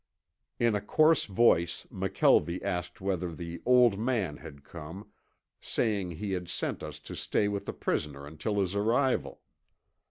In a coarse voice McKelvie asked whether the "old man" had come, saying he had sent us to stay with the prisoner until his arrival.